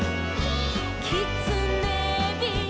「きつねび」「」